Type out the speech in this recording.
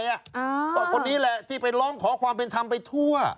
ก็คนนี้แหละที่ไปร้องขอความเป็นธรรมไปทั่ว